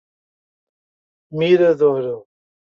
Miradouro